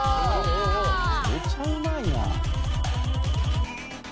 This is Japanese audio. めっちゃうまいな！